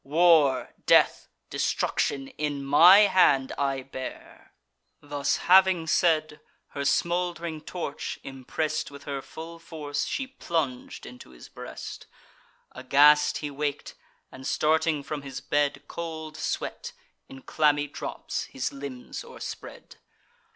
War, death, destruction, in my hand I bear." Thus having said, her smould'ring torch, impress'd With her full force, she plung'd into his breast. Aghast he wak'd; and, starting from his bed, Cold sweat, in clammy drops, his limbs o'erspread.